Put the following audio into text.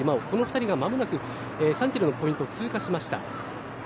この２人が間もなく３キロのポイントを通過しました。